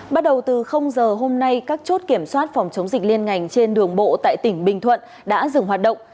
bắt đầu từ giờ hôm nay các chốt kiểm soát phòng chống dịch liên ngành trên đường bộ tại tỉnh bình thuận đã dừng hoạt động